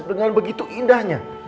dengan begitu indahnya